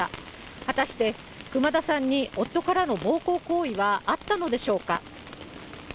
果たして、熊田さんに夫からの暴行行為はあったのでしょうか。